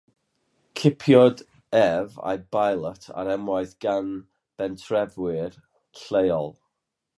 Cipiwyd ef a'i beilot ar unwaith gan bentrefwyr lleol.